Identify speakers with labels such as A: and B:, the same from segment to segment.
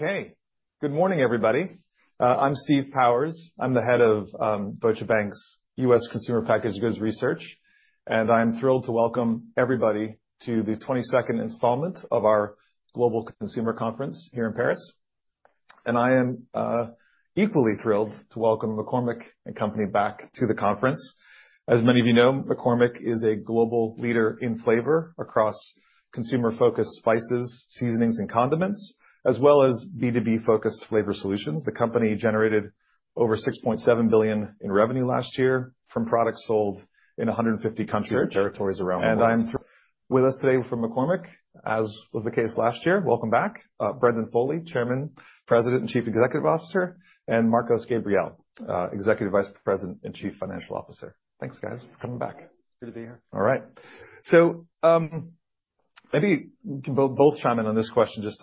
A: Okay, good morning, everybody. I'm Steve Powers. I'm the head of Deutsche Bank's U.S. Consumer Packaged Goods Research, and I'm thrilled to welcome everybody to the 22nd installment of our Global Consumer Conference here in Paris. I am equally thrilled to welcome McCormick & Company back to the conference. As many of you know, McCormick is a global leader in flavor across consumer-focused spices, seasonings, and condiments, as well as B2B-focused Flavor Solutions. The company generated over $6.7 billion in revenue last year from products sold in 150 countries and territories around the world. I'm with us today from McCormick, as was the case last year. Welcome back, Brendan Foley, Chairman, President, and Chief Executive Officer, and Marcos Gabriel, Executive Vice President and Chief Financial Officer. Thanks, guys, for coming back.
B: Good to be here.
A: All right. Maybe we can both chime in on this question just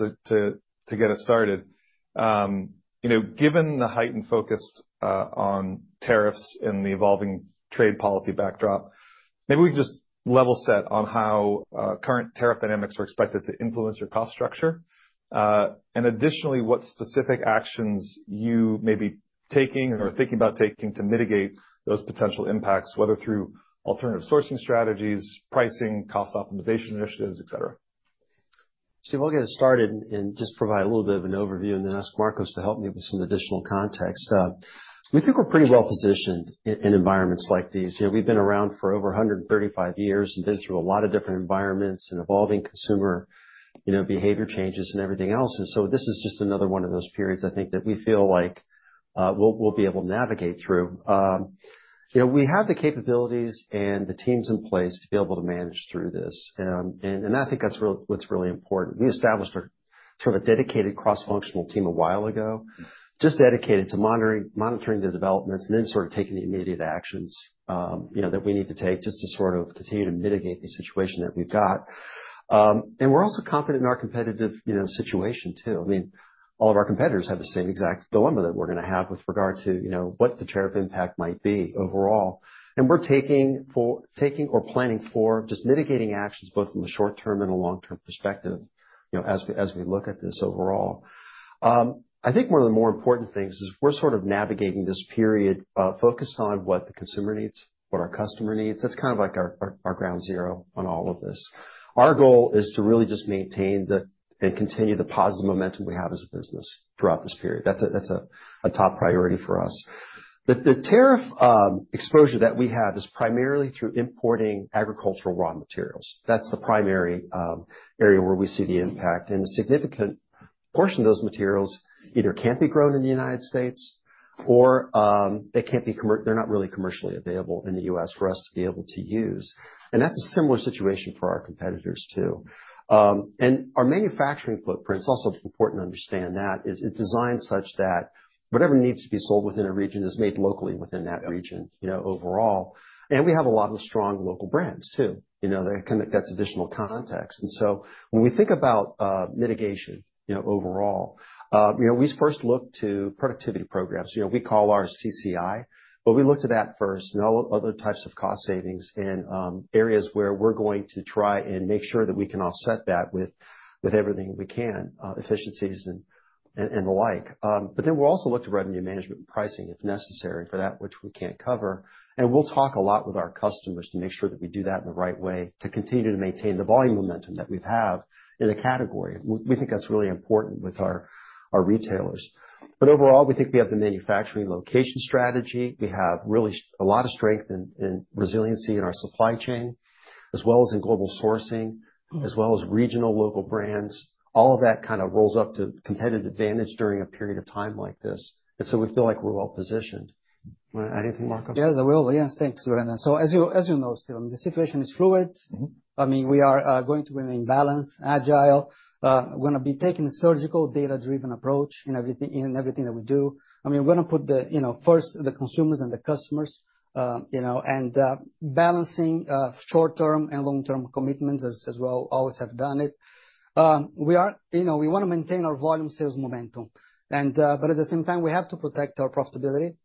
A: to get us started. Given the heightened focus on tariffs and the evolving trade policy backdrop, maybe we can just level set on how current tariff dynamics are expected to influence your cost structure. Additionally, what specific actions you may be taking or thinking about taking to mitigate those potential impacts, whether through alternative sourcing strategies, pricing, cost optimization initiatives, et cetera.
B: Steve, I'll get us started and just provide a little bit of an overview and then ask Marcos to help me with some additional context. We think we're pretty well-positioned in environments like these. We've been around for over 135 years and been through a lot of different environments and evolving consumer behavior changes and everything else. This is just another one of those periods, I think, that we feel like we'll be able to navigate through. We have the capabilities and the teams in place to be able to manage through this. I think that's what's really important. We established sort of a dedicated cross-functional team a while ago, just dedicated to monitoring the developments and then sort of taking the immediate actions that we need to take just to sort of continue to mitigate the situation that we've got. We are also confident in our competitive situation, too. I mean, all of our competitors have the same exact dilemma that we are going to have with regard to what the tariff impact might be overall. We are taking or planning for just mitigating actions both in the short-term and the long-term perspective as we look at this overall. I think one of the more important things is we are sort of navigating this period focused on what the consumer needs, what our customer needs. That is kind of like our ground zero on all of this. Our goal is to really just maintain and continue the positive momentum we have as a business throughout this period. That is a top priority for us. The tariff exposure that we have is primarily through importing agricultural raw materials. That is the primary area where we see the impact. A significant portion of those materials either cannot be grown in the United States or they are not really commercially available in the U.S. for us to be able to use. That is a similar situation for our competitors, too. Our manufacturing footprint is also important to understand. It is designed such that whatever needs to be sold within a region is made locally within that region overall. We have a lot of strong local brands, too. That is additional context. When we think about mitigation overall, we first look to productivity programs. We call ours CCI, but we look to that first and all other types of cost savings and areas where we are going to try and make sure that we can offset that with everything we can, efficiencies and the like. We will also look to revenue management and pricing if necessary for that, which we cannot cover. We will talk a lot with our customers to make sure that we do that in the right way to continue to maintain the volume momentum that we have in the category. We think that is really important with our retailers. Overall, we think we have the manufacturing location strategy. We have really a lot of strength and resiliency in our supply chain, as well as in global sourcing, as well as regional local brands. All of that kind of rolls up to competitive advantage during a period of time like this. We feel like we are well-positioned. Anything, Marcos?
C: Yes, I will. Yes, thanks, Brendan. As you know, Steven, the situation is fluid. I mean, we are going to remain balanced, agile. We're going to be taking a surgical, data-driven approach in everything that we do. I mean, we're going to put the first, the consumers and the customers and balancing short-term and long-term commitments as we always have done it. We want to maintain our volume sales momentum. At the same time, we have to protect our profitability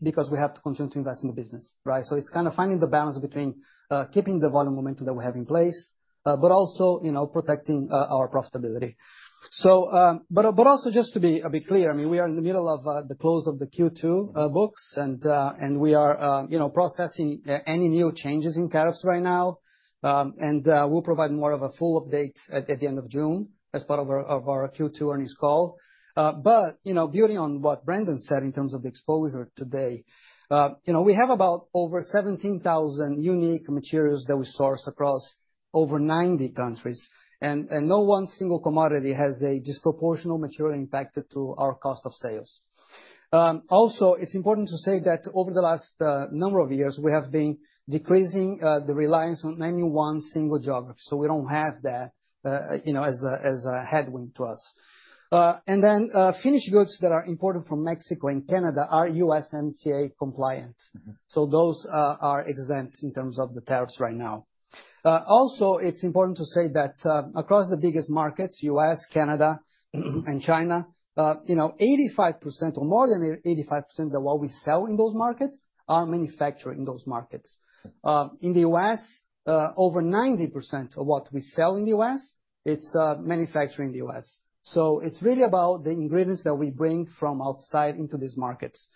C: because we have to continue to invest in the business. It's kind of finding the balance between keeping the volume momentum that we have in place, but also protecting our profitability. Also, just to be clear, I mean, we are in the middle of the close of the Q2 books, and we are processing any new changes in tariffs right now. We will provide more of a full update at the end of June as part of our Q2 earnings call. Building on what Brendan said in terms of the exposure today, we have about over 17,000 unique materials that we source across over 90 countries. No one single commodity has a disproportional material impact to our cost of sales. Also, it is important to say that over the last number of years, we have been decreasing the reliance on any one single geography. We do not have that as a headwind to us. Finished goods that are imported from Mexico and Canada are USMCA compliant, so those are exempt in terms of the tariffs right now. Also, it is important to say that across the biggest markets, U.S., Canada, and China, 85% or more than 85% of what we sell in those markets are manufactured in those markets. In the U.S., over 90% of what we sell in the U.S., it's manufactured in the U.S. It is really about the ingredients that we bring from outside into these markets.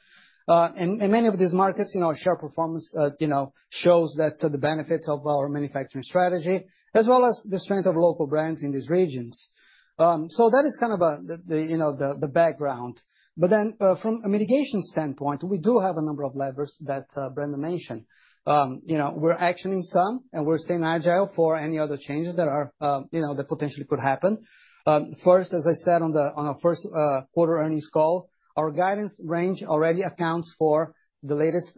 C: In many of these markets, our share performance shows the benefits of our manufacturing strategy, as well as the strength of local brands in these regions. That is kind of the background. From a mitigation standpoint, we do have a number of levers that Brendan mentioned. We are actioning some, and we are staying agile for any other changes that potentially could happen. First, as I said on our first quarter earnings call, our guidance range already accounts for the latest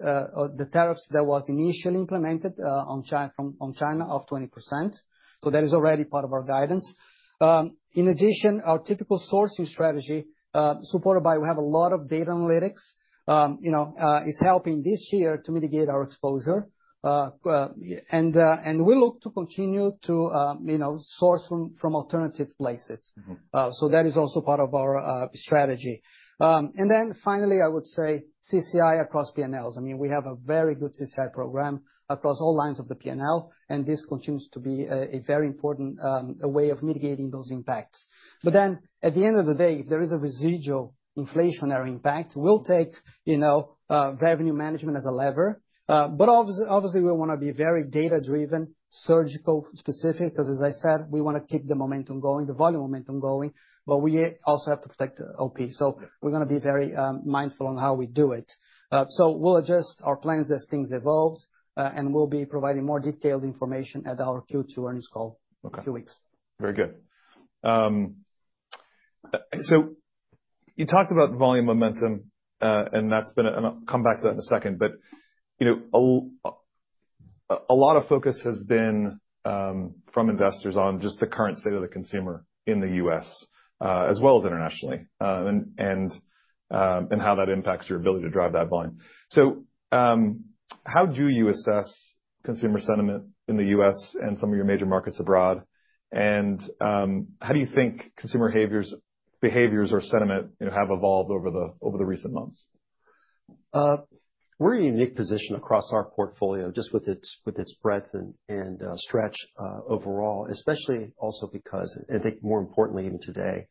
C: tariffs that were initially implemented from China of 20%. That is already part of our guidance. In addition, our typical sourcing strategy supported by we have a lot of data analytics is helping this year to mitigate our exposure. We look to continue to source from alternative places. That is also part of our strategy. Finally, I would say CCI across P&Ls. I mean, we have a very good CCI program across all lines of the P&L, and this continues to be a very important way of mitigating those impacts. At the end of the day, if there is a residual inflationary impact, we'll take revenue management as a lever. Obviously, we want to be very data-driven, surgical-specific, because as I said, we want to keep the momentum going, the volume momentum going, but we also have to protect OP. We're going to be very mindful on how we do it. We will adjust our plans as things evolve, and we will be providing more detailed information at our Q2 earnings call in a few weeks.
A: Very good. You talked about volume momentum, and that's been—and I'll come back to that in a second—a lot of focus has been from investors on just the current state of the consumer in the U.S., as well as internationally, and how that impacts your ability to drive that volume. How do you assess consumer sentiment in the U.S. and some of your major markets abroad? How do you think consumer behaviors or sentiment have evolved over the recent months?
B: We're in a unique position across our portfolio, just with its breadth and stretch overall, especially also because, and I think more importantly even today,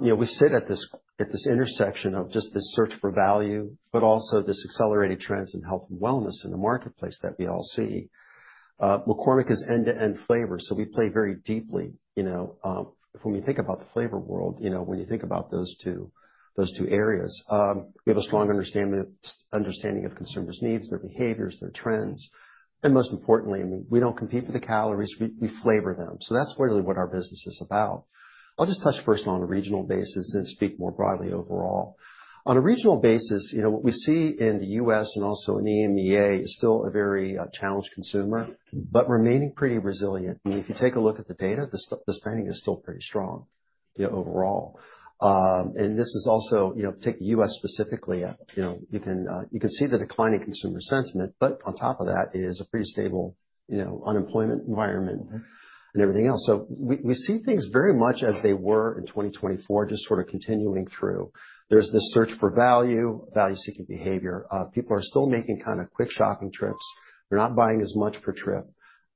B: we sit at this intersection of just this search for value, but also this accelerated trends in health and wellness in the marketplace that we all see. McCormick is end-to-end flavor. So we play very deeply. When we think about the flavor world, when you think about those two areas, we have a strong understanding of consumers' needs, their behaviors, their trends. And most importantly, we don't compete for the calories. We flavor them. So that's really what our business is about. I'll just touch first on a regional basis and speak more broadly overall. On a regional basis, what we see in the U.S. and also in EMEA is still a very challenged consumer, but remaining pretty resilient. I mean, if you take a look at the data, the spending is still pretty strong overall. This is also—take the U.S. specifically—you can see the declining consumer sentiment, but on top of that is a pretty stable unemployment environment and everything else. We see things very much as they were in 2024, just sort of continuing through. There is this search for value, value-seeking behavior. People are still making kind of quick shopping trips. They are not buying as much per trip.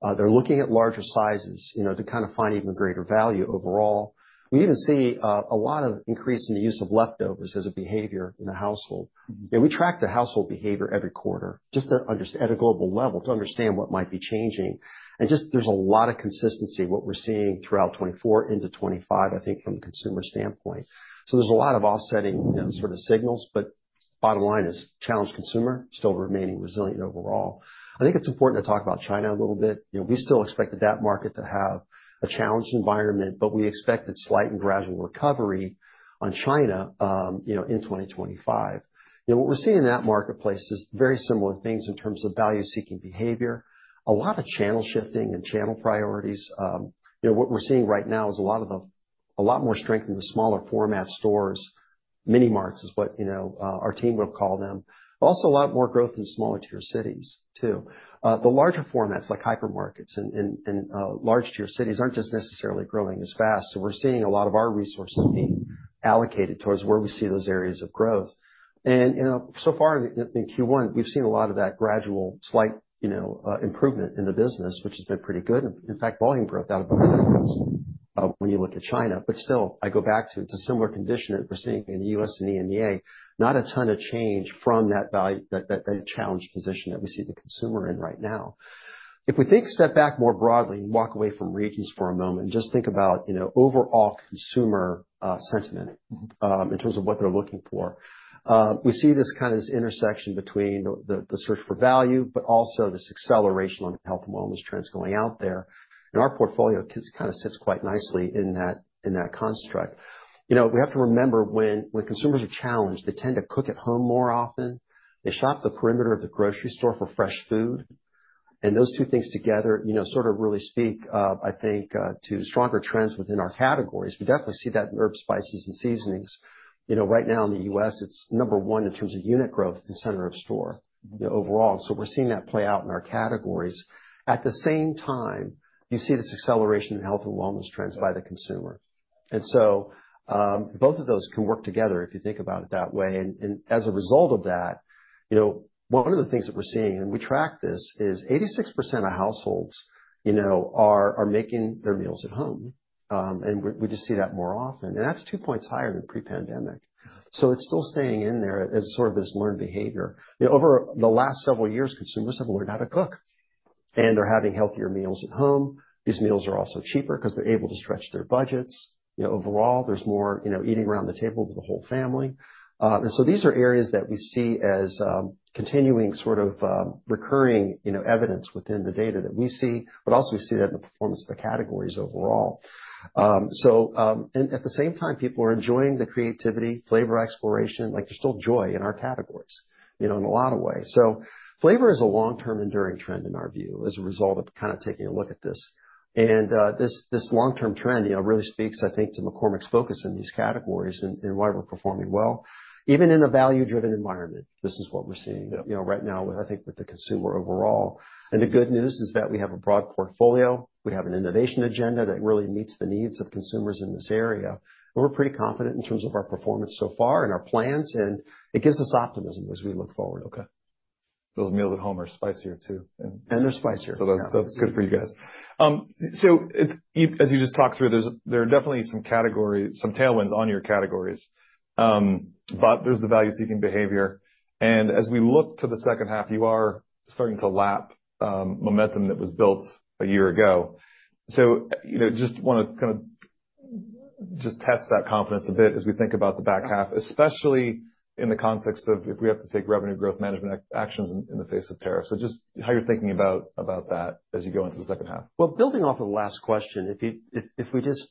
B: They are looking at larger sizes to kind of find even greater value overall. We even see a lot of increase in the use of leftovers as a behavior in the household. We track the household behavior every quarter just at a global level to understand what might be changing. There is a lot of consistency in what we are seeing throughout 2024 into 2025, I think, from the consumer standpoint. There are a lot of offsetting sort of signals, but the bottomline is a challenged consumer still remaining resilient overall. I think it is important to talk about China a little bit. We still expect that market to have a challenged environment, but we expect a slight and gradual recovery on China in 2025. What we are seeing in that marketplace is very similar things in terms of value-seeking behavior, a lot of channel shifting and channel priorities. What we are seeing right now is a lot more strength in the smaller format stores, mini-marts is what our team would call them. Also, a lot more growth in smaller-tier cities, too. The larger formats like hypermarkets and large-tier cities are not necessarily growing as fast. We're seeing a lot of our resources being allocated towards where we see those areas of growth. In Q1, we've seen a lot of that gradual slight improvement in the business, which has been pretty good. In fact, volume growth out of both markets when you look at China. Still, I go back to it's a similar condition that we're seeing in the U.S. and EMEA, not a ton of change from that challenged position that we see the consumer in right now. If we take a step back more broadly and walk away from regions for a moment and just think about overall consumer sentiment in terms of what they're looking for, we see this kind of intersection between the search for value, but also this acceleration on health and wellness trends going out there. Our portfolio kind of sits quite nicely in that construct. We have to remember when consumers are challenged, they tend to cook at home more often. They shop the perimeter of the grocery store for fresh food. Those two things together sort of really speak, I think, to stronger trends within our categories. We definitely see that in herbs, spices, and seasonings. Right now in the U.S., it is number one in terms of unit growth in center of store overall. We are seeing that play out in our categories. At the same time, you see this acceleration in health and wellness trends by the consumer. Both of those can work together if you think about it that way. As a result of that, one of the things that we are seeing, and we track this, is 86% of households are making their meals at home. We just see that more often. That is two points higher than pre-pandemic. It is still staying in there as sort of this learned behavior. Over the last several years, consumers have learned how to cook. They are having healthier meals at home. These meals are also cheaper because they are able to stretch their budgets. Overall, there is more eating around the table with the whole family. These are areas that we see as continuing sort of recurring evidence within the data that we see, but also we see that in the performance of the categories overall. At the same time, people are enjoying the creativity, flavor exploration. There is still joy in our categories in a lot of ways. Flavor is a long-term enduring trend in our view as a result of kind of taking a look at this. This long-term trend really speaks, I think, to McCormick's focus in these categories and why we're performing well. Even in a value-driven environment, this is what we're seeing right now, I think, with the consumer overall. The good news is that we have a broad portfolio. We have an innovation agenda that really meets the needs of consumers in this area. We're pretty confident in terms of our performance so far and our plans. It gives us optimism as we look forward.
A: Okay. Those meals at home are spicier, too.
B: They're spicier.
A: That's good for you guys. As you just talked through, there are definitely some tailwinds on your categories. But there's the value-seeking behavior. As we look to the second half, you are starting to lap momentum that was built a year ago. I just want to kind of test that confidence a bit as we think about the back half, especially in the context of if we have to take revenue growth management actions in the face of tariffs. Just how you're thinking about that as you go into the second half. Building off of the last question, if we just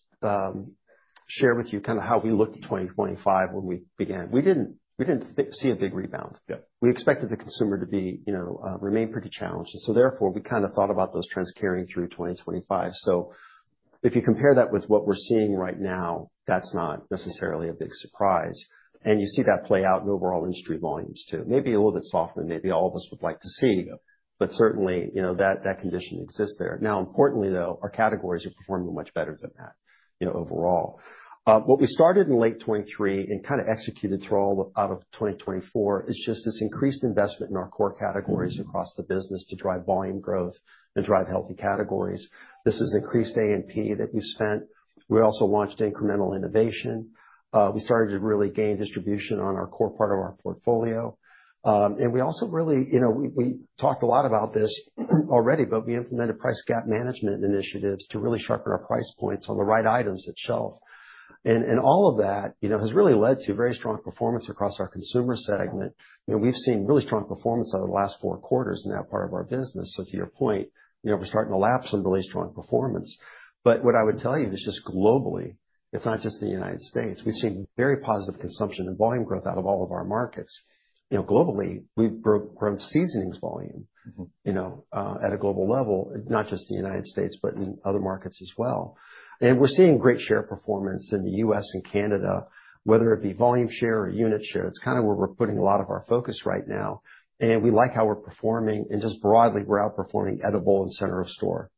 A: share with you kind of how we looked at 2025 when we began, we did not see a big rebound. We expected the consumer to remain pretty challenged. Therefore, we kind of thought about those trends carrying through 2025. If you compare that with what we are seeing right now, that is not necessarily a big surprise. You see that play out in overall industry volumes, too. Maybe a little bit softer than maybe all of us would like to see, but certainly that condition exists there. Importantly, though, our categories are performing much better than that overall. What we started in late 2023 and kind of executed through all of 2024 is just this increased investment in our core categories across the business to drive volume growth and drive healthy categories. This is increased A&P that we've spent. We also launched incremental innovation. We started to really gain distribution on our core part of our portfolio. We also really talked a lot about this already, but we implemented price gap management initiatives to really sharpen our price points on the right items at shelf. All of that has really led to very strong performance across our consumer segment. We've seen really strong performance over the last four quarters in that part of our business. To your point, we're starting to lap some really strong performance. What I would tell you is just globally, it's not just the United States. We've seen very positive consumption and volume growth out of all of our markets. Globally, we've grown seasonings volume at a global level, not just the United States, but in other markets as well. We are seeing great share performance in the U.S. and Canada, whether it be volume share or unit share. It is kind of where we are putting a lot of our focus right now. We like how we are performing. Broadly, we are outperforming edible and center of store.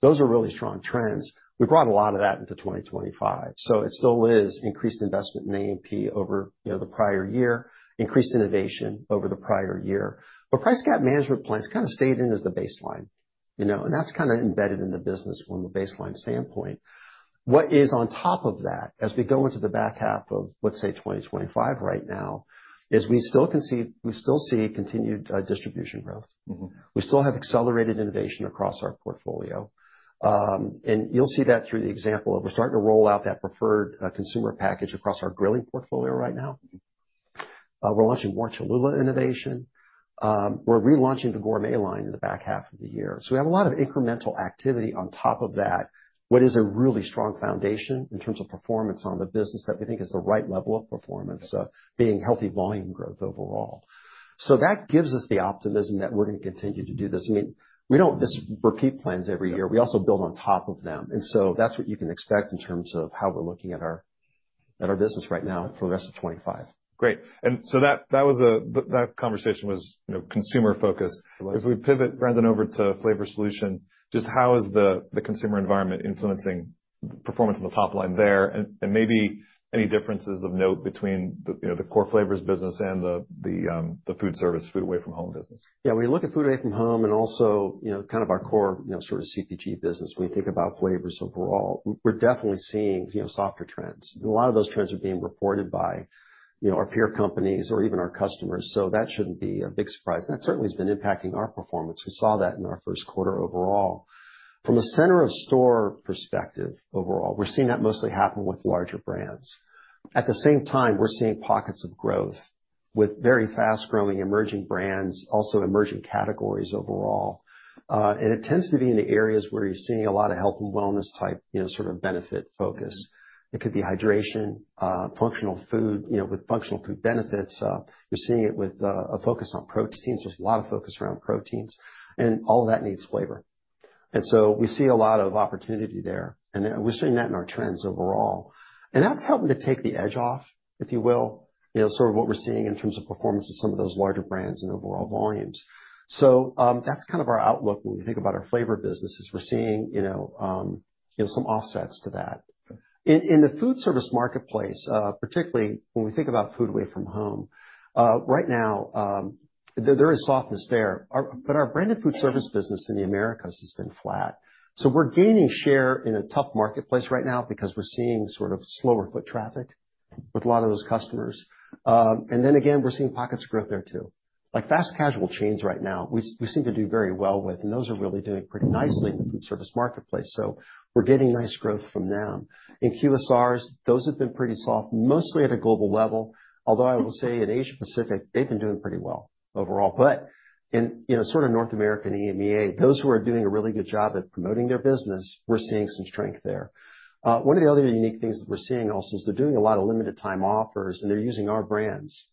A: Those are really strong trends. We brought a lot of that into 2025. It still is increased investment in A&P over the prior year, increased innovation over the prior year. Price gap management plans kind of stayed in as the baseline. That is kind of embedded in the business from a baseline standpoint. What is on top of that as we go into the back half of, let us say, 2025 right now is we still see continued distribution growth. We still have accelerated innovation across our portfolio. You'll see that through the example of we're starting to roll out that preferred consumer package across our grilling portfolio right now. We're launching more Cholula innovation. We're relaunching the Gourmet line in the back-half of the year. We have a lot of incremental activity on top of that, what is a really strong foundation in terms of performance on the business that we think is the right level of performance, being healthy volume growth overall. That gives us the optimism that we're going to continue to do this. I mean, we don't just repeat plans every year. We also build on top of them. That's what you can expect in terms of how we're looking at our business right now for the rest of 2025. Great. That conversation was consumer-focused. If we pivot, Brendan, over to Flavor Solution, just how is the consumer environment influencing performance on the top line there and maybe any differences of note between the core flavors business and the food service, food away from home business?
B: Yeah, when you look at food away from home and also kind of our core sort of CPG business, when you think about flavors overall, we're definitely seeing softer trends. A lot of those trends are being reported by our peer companies or even our customers. That shouldn't be a big surprise. That certainly has been impacting our performance. We saw that in our first quarter overall. From a center of store perspective, overall, we're seeing that mostly happen with larger brands. At the same time, we're seeing pockets of growth with very fast-growing emerging brands, also emerging categories overall. It tends to be in the areas where you're seeing a lot of health and wellness-type sort of benefit focus. It could be hydration, functional food with functional food benefits. You're seeing it with a focus on proteins. There's a lot of focus around proteins. All of that needs flavor. We see a lot of opportunity there. We're seeing that in our trends overall. That's helping to take the edge off, if you will, sort of what we're seeing in terms of performance of some of those larger brands and overall volumes. That's kind of our outlook when we think about our flavor businesses. We're seeing some offsets to that. In the food service marketplace, particularly when we think about Food Away From Home, right now, there is softness there. Our branded food service business in the Americas has been flat. We're gaining share in a tough marketplace right now because we're seeing sort of slower foot traffic with a lot of those customers. Again, we're seeing pockets of growth there, too. Like fast casual chains right now, we seem to do very well with. Those are really doing pretty nicely in the food service marketplace. We are getting nice growth from them. In QSRs, those have been pretty soft, mostly at a global level. I will say in Asia-Pacific, they have been doing pretty well overall. In sort of North America and EMEA, those who are doing a really good job at promoting their business, we are seeing some strength there. One of the other unique things that we are seeing also is they are doing a lot of limited-time offers, and they are using our brands.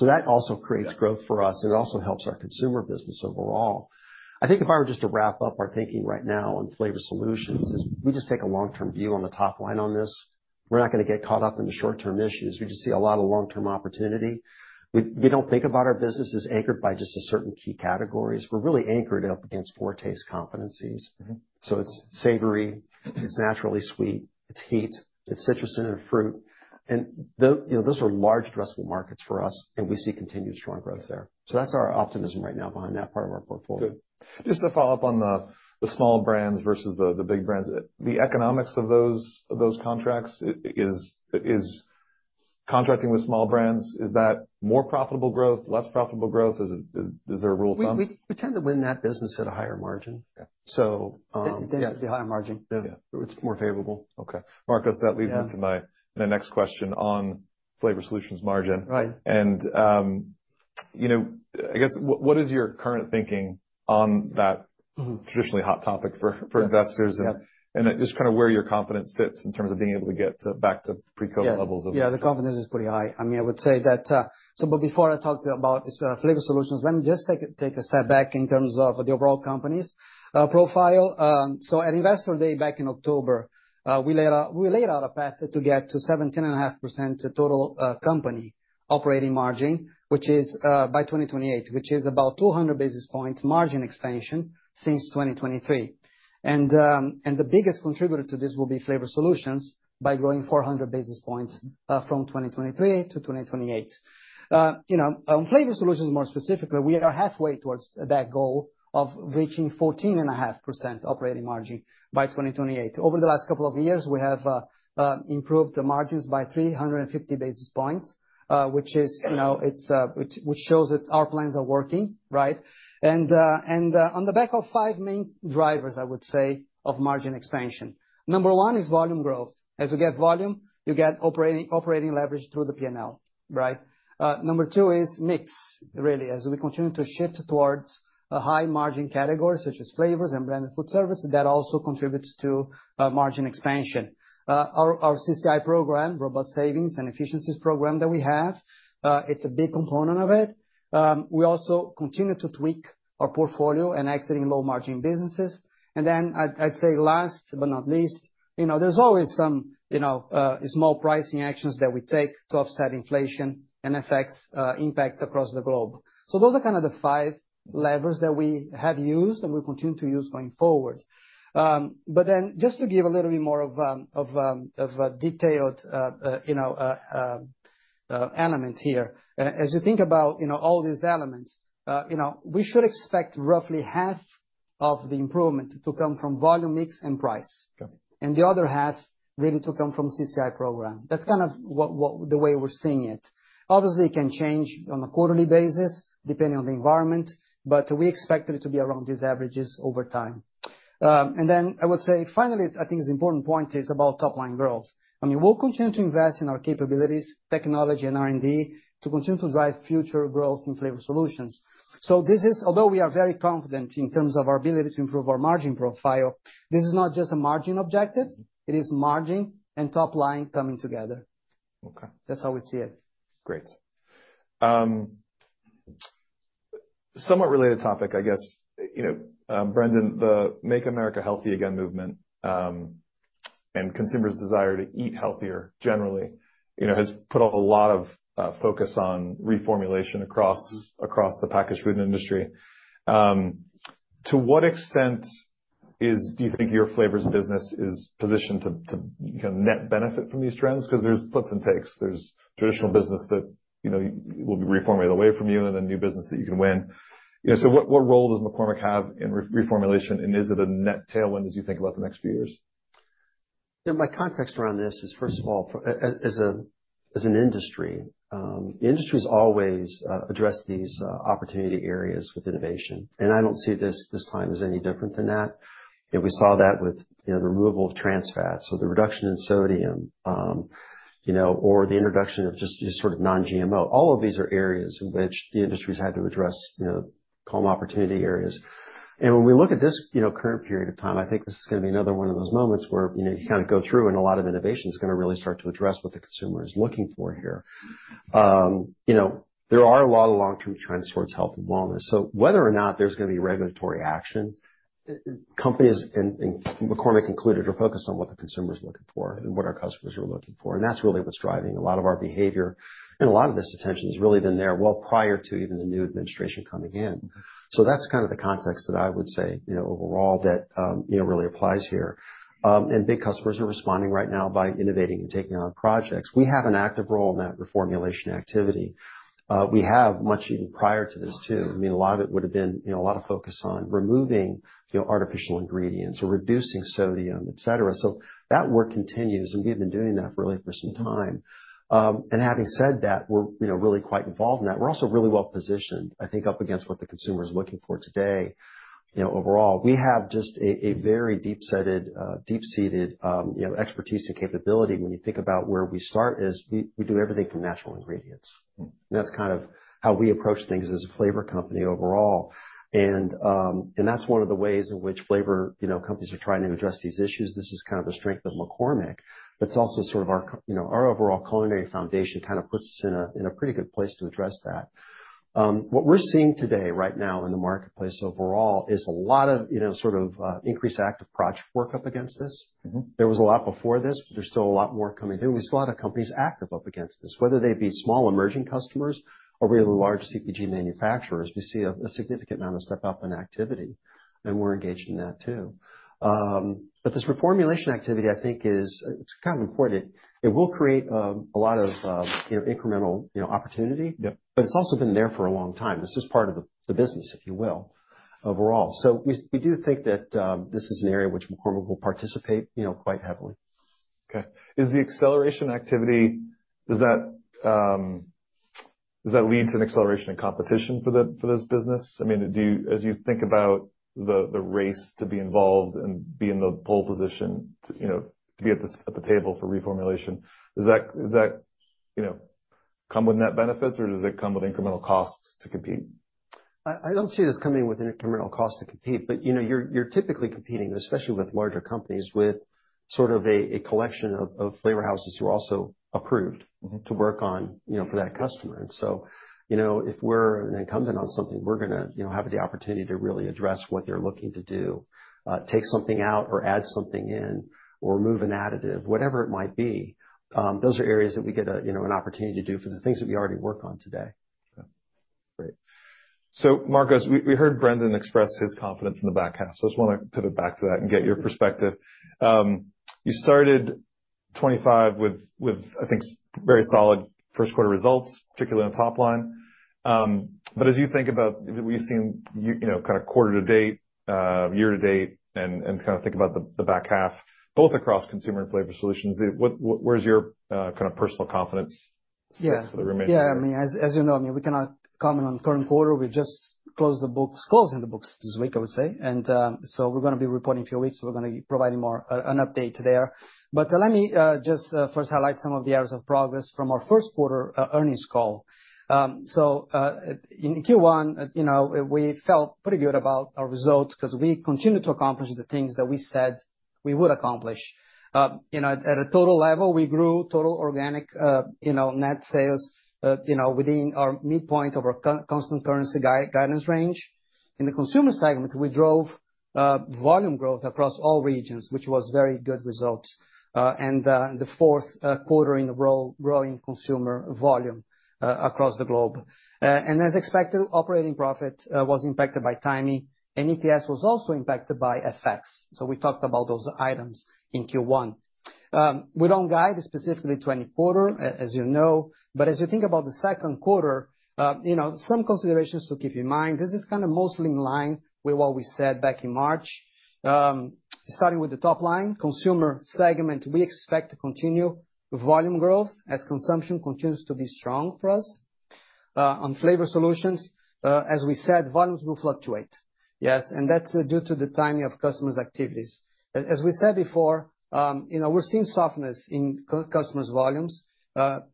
B: That also creates growth for us, and it also helps our consumer business overall. I think if I were just to wrap up our thinking right now on Flavor Solutions, we just take a long-term view on the top line on this. We are not going to get caught up in the short-term issues. We just see a lot of long-term opportunity. We do not think about our business as anchored by just certain key categories. We are really anchored up against four taste competencies. It is savory, it is naturally sweet, it is heat, it is citrus and fruit. Those are large addressable markets for us, and we see continued strong growth there. That is our optimism right now behind that part of our portfolio.
A: Just to follow up on the small brands versus the big brands, the economics of those contracts, contracting with small brands, is that more profitable growth, less profitable growth? Is there a rule of thumb?
B: We tend to win that business at a higher margin.
C: It is the higher margin. Yeah, it is more favorable.
A: Okay. Marcos, that leads me to my next question on Flavor Solutions margin. I guess what is your current thinking on that traditionally hot topic for investors and just kind of where your confidence sits in terms of being able to get back to pre-COVID levels?
C: Yeah, the confidence is pretty high. I mean, I would say that. Before I talk about Flavor Solutions, let me just take a step back in terms of the overall company's profile. At Investor Day back in October, we laid out a path to get to 17.5% total company operating margin, which is by 2028, which is about 200 basis points margin expansion since 2023. The biggest contributor to this will be Flavor Solutions by growing 400 basis points from 2023 to 2028. On Flavor Solutions, more specifically, we are halfway towards that goal of reaching 14.5% operating margin by 2028. Over the last couple of years, we have improved the margins by 350 basis points, which shows that our plans are working, right? On the back of five main drivers, I would say, of margin expansion. Number one is volume growth. As we get volume, you get operating leverage through the P&L, right? Number two is mix, really, as we continue to shift towards high margin categories such as flavors and branded food services that also contribute to margin expansion. Our CCI program, robust savings and efficiencies program that we have, it's a big component of it. We also continue to tweak our portfolio and exiting low-margin businesses. I'd say last but not least, there's always some small pricing actions that we take to offset inflation and FX impacts across the globe. Those are kind of the five levers that we have used and we'll continue to use going forward. Just to give a little bit more of a detailed element here, as you think about all these elements, we should expect roughly half of the improvement to come from volume mix and price. The other half really to come from CCI program. That is kind of the way we are seeing it. Obviously, it can change on a quarterly basis depending on the environment, but we expect it to be around these averages over time. I would say finally, I think an important point is about top-line growth. I mean, we will continue to invest in our capabilities, technology, and R&D to continue to drive future growth in Flavor Solutions. Although we are very confident in terms of our ability to improve our margin profile, this is not just a margin objective. It is margin and top-line coming together. That is how we see it.
A: Great. Somewhat related topic, I guess. Brendan, the Make America Healthy Again movement and consumers' desire to eat healthier generally has put a lot of focus on reformulation across the packaged food industry. To what extent do you think your flavors business is positioned to net benefit from these trends? Because there are flips and takes. There is traditional business that will be reformulated away from you and then new business that you can win. What role does McCormick have in reformulation? Is it a net tailwind as you think about the next few years?
B: My context around this is, first of all, as an industry, the industry has always addressed these opportunity areas with innovation. I do not see this time as any different than that. We saw that with the removal of trans fats, or the reduction in sodium, or the introduction of just sort of non-GMO. All of these are areas in which the industry has had to address opportunity areas. When we look at this current period of time, I think this is going to be another one of those moments where you kind of go through and a lot of innovation is going to really start to address what the consumer is looking for here. There are a lot of long-term trends towards health and wellness. Whether or not there's going to be regulatory action, companies, and McCormick included, are focused on what the consumer is looking for and what our customers are looking for. That's really what's driving a lot of our behavior. A lot of this attention has really been there well prior to even the new administration coming in. That's kind of the context that I would say overall that really applies here. Big customers are responding right now by innovating and taking on projects. We have an active role in that reformulation activity. We have much even prior to this, too. I mean, a lot of it would have been a lot of focus on removing artificial ingredients or reducing sodium, etc. That work continues, and we have been doing that really for some time. Having said that, we're really quite involved in that. We're also really well positioned, I think, up against what the consumer is looking for today overall. We have just a very deep-seated expertise and capability. When you think about where we start is we do everything from natural ingredients. That's kind of how we approach things as a flavor company overall. That's one of the ways in which flavor companies are trying to address these issues. This is kind of a strength of McCormick. It's also sort of our overall culinary foundation kind of puts us in a pretty good place to address that. What we're seeing today, right now in the marketplace overall, is a lot of sort of increased active project work up against this. There was a lot before this, but there's still a lot more coming through. We see a lot of companies active up against this, whether they be small emerging customers or really large CPG manufacturers. We see a significant amount of step-up in activity, and we're engaged in that, too. This reformulation activity, I think, is kind of important. It will create a lot of incremental opportunity, but it's also been there for a long time. This is part of the business, if you will, overall. We do think that this is an area in which McCormick will participate quite heavily.
A: Okay. Is the acceleration activity, does that lead to an acceleration in competition for this business? I mean, as you think about the race to be involved and be in the pole position to be at the table for reformulation, does that come with net benefits, or does it come with incremental costs to compete?
B: I don't see this coming with incremental costs to compete, but you're typically competing, especially with larger companies, with sort of a collection of flavor houses who are also approved to work on for that customer. If we're an incumbent on something, we're going to have the opportunity to really address what they're looking to do, take something out or add something in or remove an additive, whatever it might be. Those are areas that we get an opportunity to do for the things that we already work on today.
A: Great. Marcos, we heard Brendan express his confidence in the back-half. I just want to pivot back to that and get your perspective. You started 2025 with, I think, very solid first-quarter results, particularly on top line. As you think about what you've seen kind of quarter to date, year to date, and kind of think about the back-half, both across consumer and Flavor Solutions, where's your kind of personal confidence set for the remainder of the year?
C: Yeah. I mean, as you know, we cannot comment on current quarter. We just closed the books, closing the books this week, I would say. We are going to be reporting in a few weeks. We are going to be providing an update there. Let me just first highlight some of the areas of progress from our first-quarter earnings call. In Q1, we felt pretty good about our results because we continued to accomplish the things that we said we would accomplish. At a total level, we grew total organic net sales within our midpoint of our constant currency guidance range. In the consumer segment, we drove volume growth across all regions, which was very good results. In the fourth quarter in the world, growing consumer volume across the globe. As expected, operating profit was impacted by timing. EPS was also impacted by FX. We talked about those items in Q1. We do not guide specifically to any quarter, as you know. As you think about the second quarter, some considerations to keep in mind. This is kind of mostly in line with what we said back in March. Starting with the top line, consumer segment, we expect to continue volume growth as consumption continues to be strong for us. On Flavor Solutions, as we said, volumes will fluctuate. Yes. That is due to the timing of customers' activities. As we said before, we are seeing softness in customers' volumes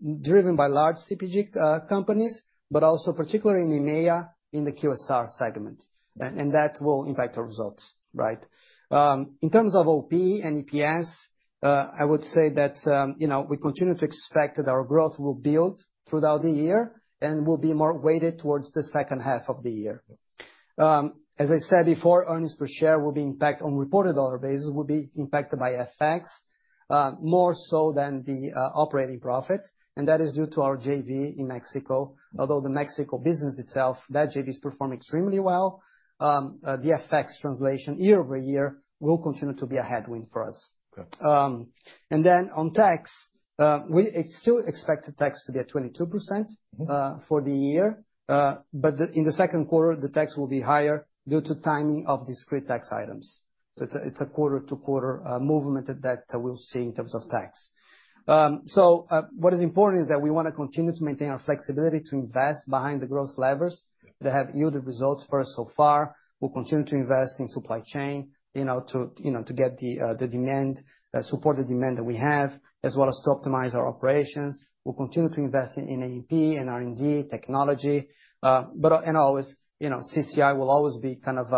C: driven by large CPG companies, but also particularly in EMEA in the QSR segment. That will impact our results, right? In terms of OP and EPS, I would say that we continue to expect that our growth will build throughout the year and will be more weighted towards the second half of the year. As I said before, earnings per share will be impacted on reported dollar basis, will be impacted by FX more so than the operating profit. That is due to our JV in Mexico. Although the Mexico business itself, that JV is performing extremely well. The FX translation year-over-year will continue to be a headwind for us. On tax, we still expect the tax to be at 22% for the year. In the second quarter, the tax will be higher due to timing of discrete tax items. It is a quarter-to-quarter movement that we'll see in terms of tax. What is important is that we want to continue to maintain our flexibility to invest behind the growth levers that have yielded results for us so far. We'll continue to invest in supply chain to get the demand, support the demand that we have, as well as to optimize our operations. We'll continue to invest in A&P and R&D technology. CCI will always be kind of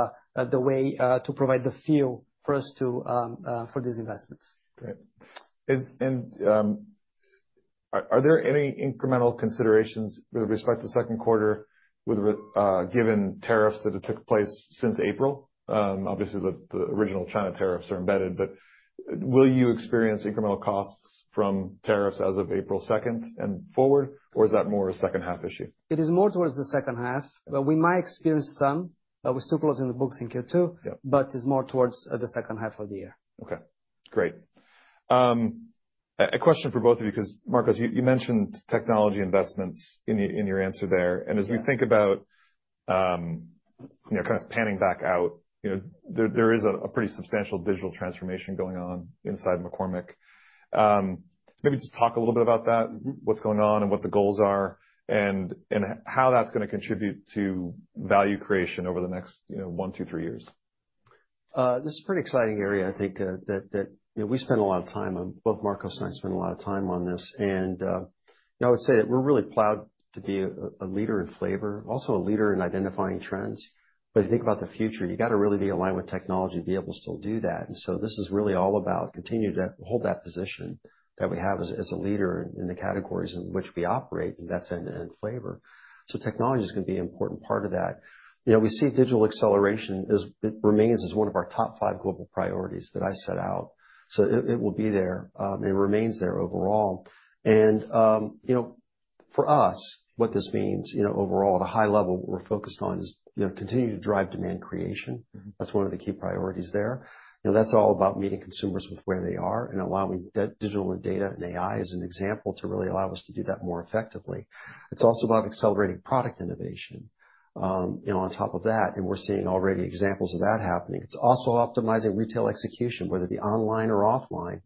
C: the way to provide the fuel for us for these investments.
A: Great. Are there any incremental considerations with respect to second quarter given tariffs that have took place since April? Obviously, the original China tariffs are embedded, but will you experience incremental costs from tariffs as of April 2nd and forward, or is that more a second-half issue?
C: It is more towards the second half. We might experience some. We're still closing the books in Q2, but it's more towards the second half of the year.
A: Okay. Great. A question for both of you, because, Marcos, you mentioned technology investments in your answer there. As we think about kind of panning back out, there is a pretty substantial digital transformation going on inside McCormick. Maybe just talk a little bit about that, what's going on and what the goals are, and how that's going to contribute to value creation over the next one, two, three years.
B: This is a pretty exciting area, I think, that we spend a lot of time. Both Marcos and I spend a lot of time on this. I would say that we're really proud to be a leader in flavor, also a leader in identifying trends. If you think about the future, you got to really be aligned with technology to be able to still do that. This is really all about continuing to hold that position that we have as a leader in the categories in which we operate, and that's end-to-end flavor. Technology is going to be an important part of that. We see digital acceleration remains as one of our top five global priorities that I set out. It will be there, and it remains there overall. For us, what this means overall at a high level, what we're focused on is continuing to drive demand creation. That's one of the key priorities there. That's all about meeting consumers with where they are and allowing digital and data and AI as an example to really allow us to do that more effectively. It's also about accelerating product innovation on top of that. We're seeing already examples of that happening. It's also optimizing retail execution, whether it be online or offline.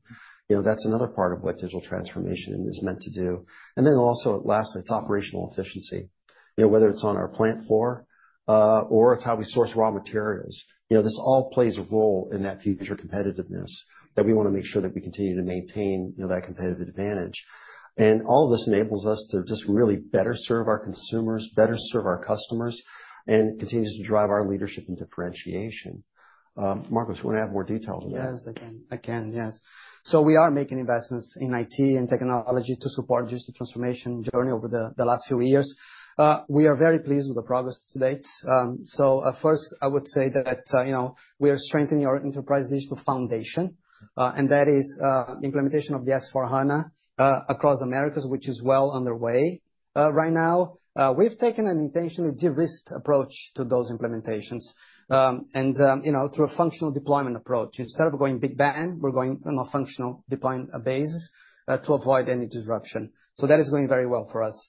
B: That's another part of what digital transformation is meant to do. Lastly, it's operational efficiency, whether it's on our plant floor or it's how we source raw materials. This all plays a role in that future competitiveness that we want to make sure that we continue to maintain that competitive advantage. All of this enables us to just really better serve our consumers, better serve our customers, and continues to drive our leadership and differentiation. Marcos, you want to add more details on that?
C: Yes, I can. Yes. We are making investments in IT and technology to support digital transformation journey over the last few years. We are very pleased with the progress to date. First, I would say that we are strengthening our enterprise digital foundation. That is implementation of the S/4HANA across Americas, which is well underway right now. We've taken an intentionally de-risked approach to those implementations and through a functional deployment approach. Instead of going big bang, we're going on a functional deployment basis to avoid any disruption. That is going very well for us.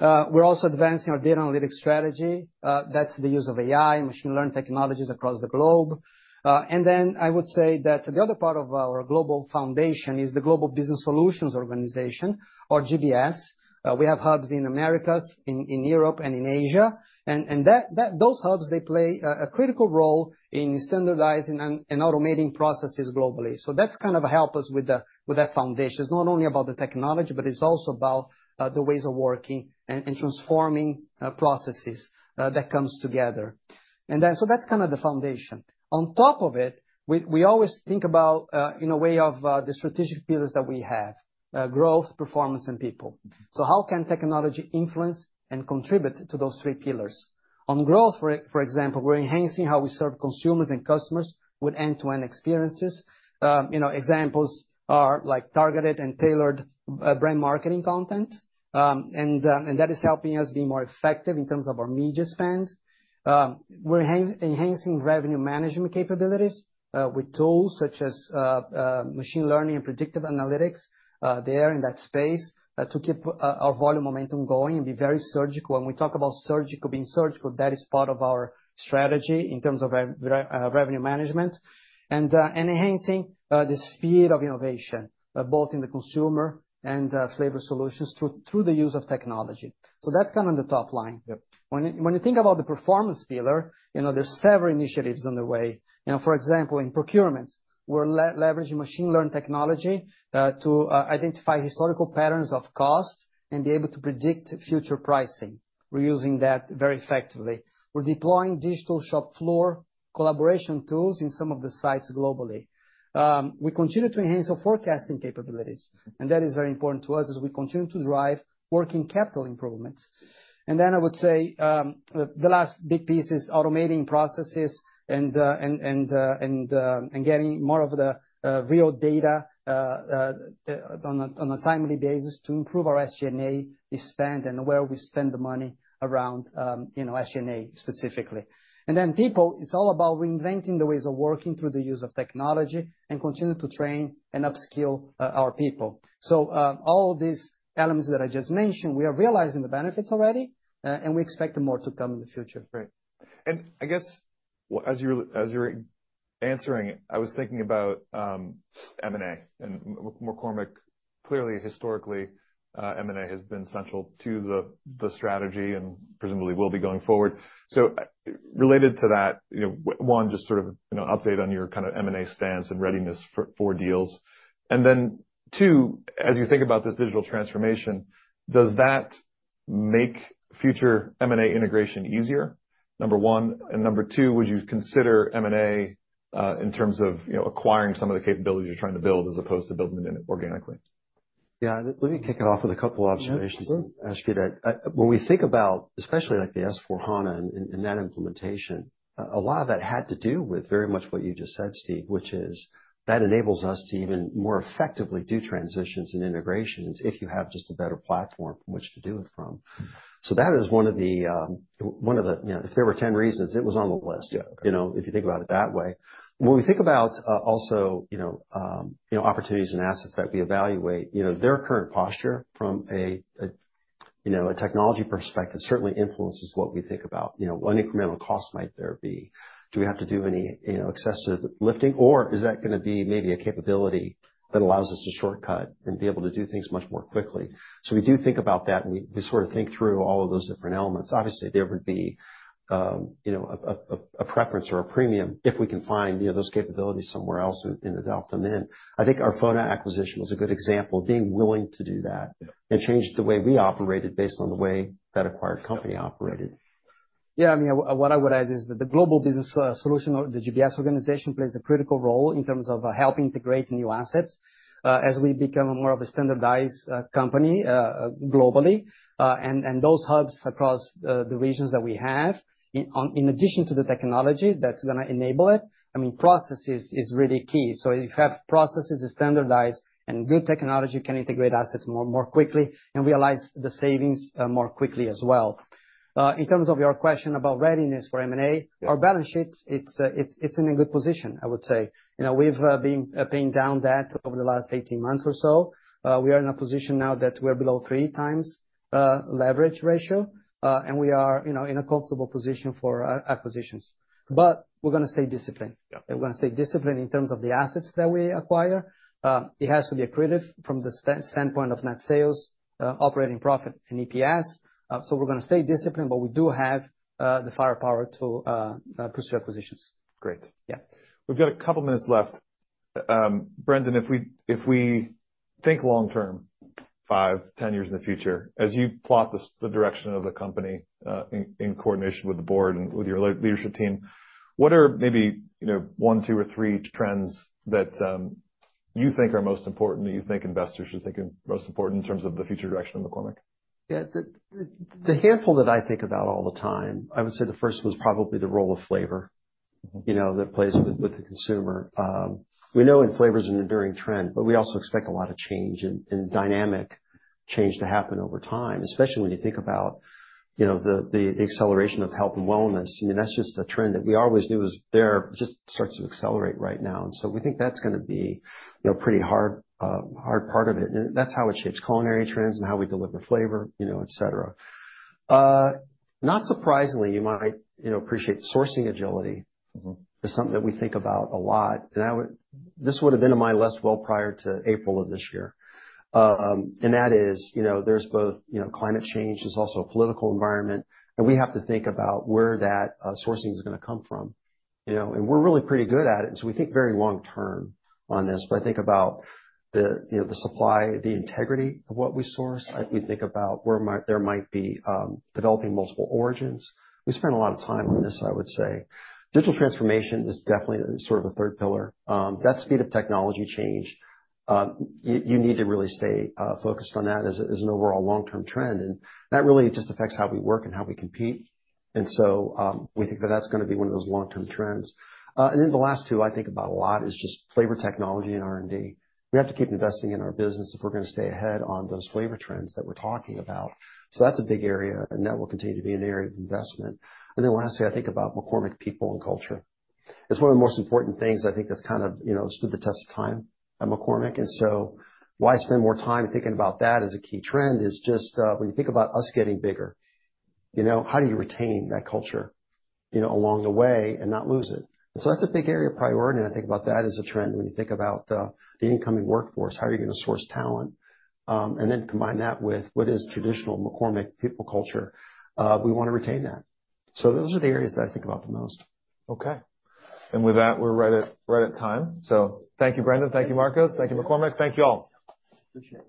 C: We're also advancing our data analytics strategy. That's the use of AI, machine learning technologies across the globe. I would say that the other part of our global foundation is the Global Business Solutions Organization, or GBS. We have hubs in Americas, in Europe, and in Asia. Those hubs play a critical role in standardizing and automating processes globally. That has kind of helped us with that foundation. It is not only about the technology, but it is also about the ways of working and transforming processes that come together. That is kind of the foundation. On top of it, we always think about, in a way, the strategic pillars that we have: Growth, performance, and people. How can technology influence and contribute to those three pillars? On growth, for example, we are enhancing how we serve consumers and customers with end-to-end experiences. Examples are targeted and tailored brand marketing content. That is helping us be more effective in terms of our media spend. We are enhancing revenue management capabilities with tools such as machine learning and predictive analytics in that space to keep our volume momentum going and be very surgical. When we talk about surgical, being surgical, that is part of our strategy in terms of revenue management and enhancing the speed of innovation, both in the consumer and Flavor Solutions through the use of technology. That is kind of the top line. When you think about the performance pillar, there are several initiatives underway. For example, in procurement, we are leveraging machine-learning technology to identify historical patterns of cost and be able to predict future pricing. We are using that very effectively. We are deploying digital shop floor collaboration tools in some of the sites globally. We continue to enhance our forecasting capabilities. That is very important to us as we continue to drive working capital improvements. I would say the last big piece is automating processes and getting more of the real data on a timely basis to improve our SG&A spend and where we spend the money around SG&A specifically. People, it's all about reinventing the ways of working through the use of technology and continuing to train and upskill our people. All of these elements that I just mentioned, we are realizing the benefits already, and we expect more to come in the future.
A: Great. I guess as you're answering, I was thinking about M&A and McCormick. Clearly, historically, M&A has been central to the strategy and presumably will be going forward. Related to that, one, just sort of an update on your kind of M&A stance and readiness for deals. Then, as you think about this digital transformation, does that make future M&A integration easier? Number one. Number two, would you consider M&A in terms of acquiring some of the capabilities you're trying to build as opposed to building them organically?
B: Yeah. Let me kick it off with a couple of observations and ask you that. When we think about, especially the S/4HANA and that implementation, a lot of that had to do with very much what you just said, Steve, which is that enables us to even more effectively do transitions and integrations if you have just a better platform from which to do it from. That is one of the, if there were 10 reasons, it was on the list if you think about it that way. When we think about also opportunities and assets that we evaluate, their current posture from a technology perspective certainly influences what we think about. What incremental cost might there be? Do we have to do any excessive lifting, or is that going to be maybe a capability that allows us to shortcut and be able to do things much more quickly? We do think about that, and we sort of think through all of those different elements. Obviously, there would be a preference or a premium if we can find those capabilities somewhere else and adopt them in. I think our FONA acquisition was a good example of being willing to do that and change the way we operated based on the way that acquired company operated.
C: Yeah. I mean, what I would add is that the Global Business Solution, or the GBS organization, plays a critical role in terms of helping integrate new assets as we become more of a standardized company globally. Those hubs across the regions that we have, in addition to the technology that's going to enable it, I mean, process is really key. If you have processes standardized and good technology, you can integrate assets more quickly and realize the savings more quickly as well. In terms of your question about readiness for M&A, our balance sheet, it's in a good position, I would say. We've been paying down that over the last 18 months or so. We are in a position now that we're below three times leverage ratio, and we are in a comfortable position for acquisitions. We're going to stay disciplined. We're going to stay disciplined in terms of the assets that we acquire. It has to be accretive from the standpoint of net sales, operating profit, and EPS. We're going to stay disciplined, but we do have the firepower to pursue acquisitions.
A: Great. Yeah. We've got a couple of minutes left. Brendan, if we think long term, five, 10 years in the future, as you plot the direction of the company in coordination with the board and with your leadership team, what are maybe one, two, or three trends that you think are most important, that you think investors are thinking most important in terms of the future direction of McCormick?
B: Yeah. The handful that I think about all the time, I would say the first was probably the role of flavor that plays with the consumer. We know flavor is an enduring trend, but we also expect a lot of change and dynamic change to happen over time, especially when you think about the acceleration of health and wellness. I mean, that's just a trend that we always knew was there just starts to accelerate right now. We think that's going to be a pretty hard part of it. That's how it shapes culinary trends and how we deliver flavor, etc. Not surprisingly, you might appreciate sourcing agility. It's something that we think about a lot. This would have been in my list well prior to April of this year. That is there's both climate change. There's also a political environment. We have to think about where that sourcing is going to come from. We are really pretty good at it. We think very long term on this. I think about the supply, the integrity of what we source. We think about where there might be developing multiple origins. We spend a lot of time on this, I would say. Digital transformation is definitely sort of a third pillar. That speed of technology change, you need to really stay focused on that as an overall long-term trend. That really just affects how we work and how we compete. We think that is going to be one of those long-term trends. The last two I think about a lot is just flavor technology and R&D. We have to keep investing in our business if we're going to stay ahead on those flavor trends that we're talking about. That is a big area, and that will continue to be an area of investment. Lastly, I think about McCormick people and culture. It's one of the most important things I think that's kind of stood the test of time at McCormick. Why spend more time thinking about that as a key trend is just when you think about us getting bigger, how do you retain that culture along the way and not lose it? That is a big area of priority. I think about that as a trend when you think about the incoming workforce, how are you going to source talent? Then combine that with what is traditional McCormick people culture. We want to retain that. Those are the areas that I think about the most.
A: Okay. With that, we're right at time. Thank you, Brendan. Thank you, Marcos. Thank you, McCormick. Thank you all.
B: Appreciate it.